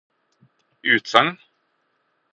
utsagn